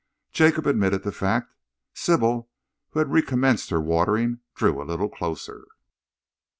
Jacob admitted the fact. Sybil, who had recommenced her watering, drew a little closer.